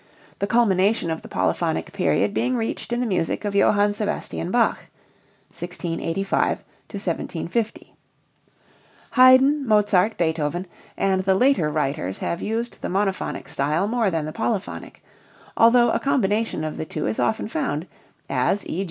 the culmination of the polyphonic period being reached in the music of Johann Sebastian Bach (1685 1750). Haydn, Mozart, Beethoven, and the later writers have used the monophonic style more than the polyphonic, although a combination of the two is often found, as _e.